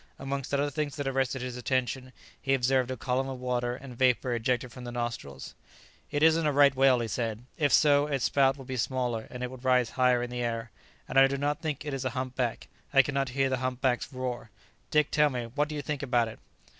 Amongst other things that arrested his attention, he observed a column of water and vapour ejected from the nostrils. "It isn't a right whale," he said; "if so, its spout would be smaller and it would rise higher in the air. And I do not think it is a hump back. I cannot hear the hump back's roar. Dick, tell me, what do you think about it?"